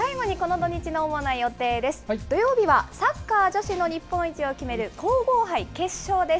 土曜日はサッカー女子の日本一を決める皇后杯決勝です。